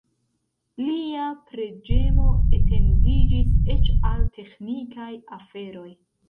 Lia preĝemo etendiĝis eĉ al teĥnikaj aferoj.